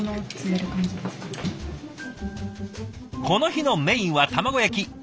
この日のメインは卵焼き。